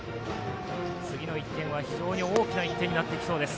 次の１点は非常に大きな１点となってきそうです。